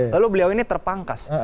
lalu beliau ini terpangkas